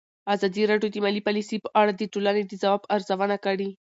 ازادي راډیو د مالي پالیسي په اړه د ټولنې د ځواب ارزونه کړې.